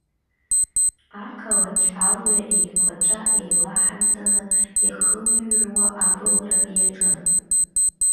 Ақалақь алҩа еиқәаҵәа еилаҳантаны иахылҩруа абылра иаҿын.